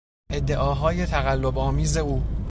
ادعاهای تقلبآمیز او